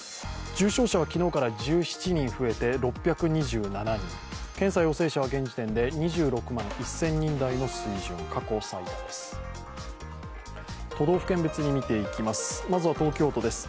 重症者は昨日から１７人増えて６２７人検査陽性者は現時点で２１万６０００人台の水準、過去最多です。